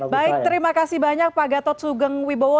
baik terima kasih banyak pak gatot sugeng wibowo